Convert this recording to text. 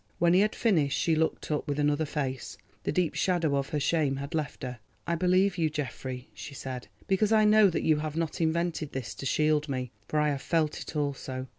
When he had finished, she looked up, with another face; the deep shadow of her shame had left her. "I believe you, Geoffrey," she said, "because I know that you have not invented this to shield me, for I have felt it also.